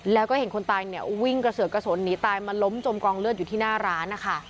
แล้วก็เห็นคนตายเนี่ยวิ่งกระเสือกกระสนหนีตายมาล้มจมกองเลือดอยู่ที่หน้าร้านนะคะ